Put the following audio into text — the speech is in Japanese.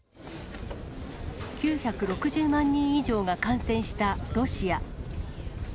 ９６０万人以上が感染したロシア。